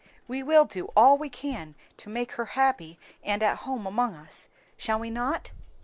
We will do all we can to make her happy and at home among us, shall we not?"